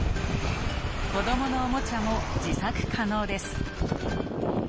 子供のおもちゃも自作可能です。